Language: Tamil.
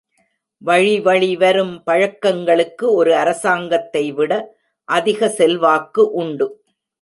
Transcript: வழிவழி வரும் பழக்கங்களுக்கு ஒரு அரசாங்கத்தைவிட அதிக செல்வாக்கு உண்டு.